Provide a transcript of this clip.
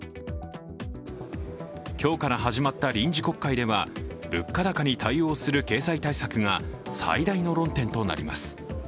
今日から始まった臨時国会では物価高に対応する経済対策が最大の論点となります。